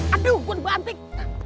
aduh gue bantik